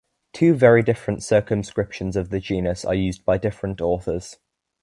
Two very different circumscriptions of the genus are used by different authors.